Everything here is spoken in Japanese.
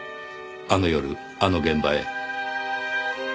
あの夜あの現場へ。